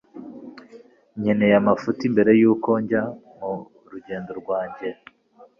Nkeneye amafuti mbere yuko njya murugendo rwanjye